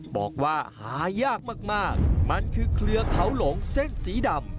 บอกว่าหายากมากมันคือเครือเขาหลงเส้นสีดำ